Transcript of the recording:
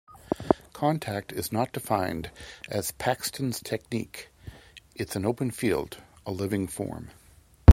Contact Is not defined as "Paxton's technique", it's an open field, a living form.